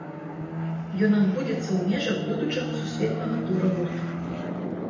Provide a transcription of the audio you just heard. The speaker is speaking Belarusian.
Ён адбудзецца ў межах будучага сусветнага тура гурта.